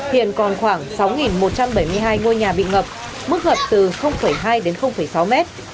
hiện còn khoảng sáu một trăm bảy mươi hai ngôi nhà bị ngập mức ngập từ hai đến sáu mét